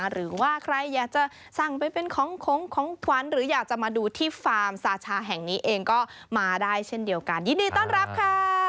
หรือว่าใครอยากจะสั่งไปเป็นของของขวัญหรืออยากจะมาดูที่ฟาร์มซาชาแห่งนี้เองก็มาได้เช่นเดียวกันยินดีต้อนรับค่ะ